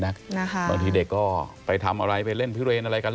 บางทีเด็กก็ไปทำอะไรไปเล่นพิเรนอะไรกัน